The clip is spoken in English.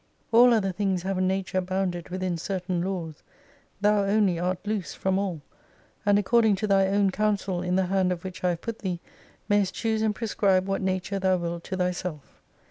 All other things have a nature bounded within certain laws ; thou only art loose from all, and according to thy own council in the hand of which I have put thee, may'st choose and prescribe what nature thou wilt to thyself.